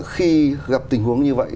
khi gặp tình huống như vậy